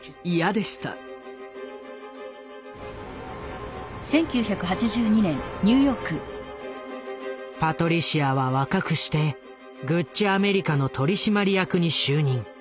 私はただただパトリシアは若くしてグッチ・アメリカの取締役に就任。